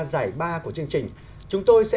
giải ba của chương trình chúng tôi sẽ